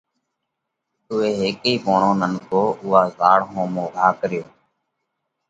اُوئہ هيڪي پوڻو نڪو اُوئا زاۯ ۿومو گھا ڪريو